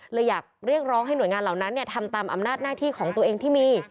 เลยอยากเรียกร้องให้หน่วยงานเหล่านั้นทำตามอำนาจหน้าที่ของตัวเองที่มี